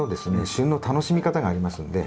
旬の楽しみ方がありますんで。